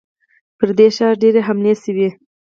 پر دې ښار ډېرې حملې شوي.